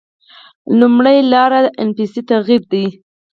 لومړۍ لاره انفسي تغییر ده.